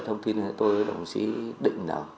thông tin tôi với đồng chí định